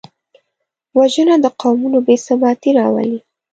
وژنه د قومونو بېثباتي راولي